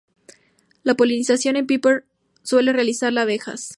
La polinización en "Piper" suelen realizarla abejas.